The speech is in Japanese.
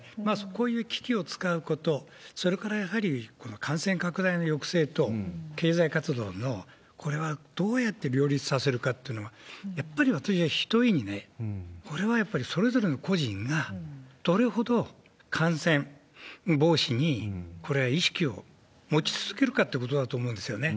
こういう機器を使うこと、それからやはり感染拡大の抑制と、経済活動の、これはどうやって両立させるかっていうのは、やっぱり私は、ひとえにね、これはやっぱりそれぞれの個人が、どれほど感染防止に、これ、意識を持ち続けるかってことだと思うんですよね。